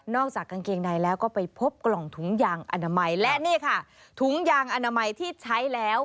จากกางเกงในแล้วก็ไปพบกล่องถุงยางอนามัยและนี่ค่ะถุงยางอนามัยที่ใช้แล้ว